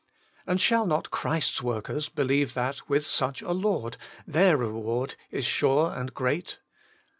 And shall not Christ's workers believe that, with such a Lord, their reward is sure and great?